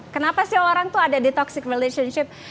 kenapa sih orang tuh ada di toxic relationship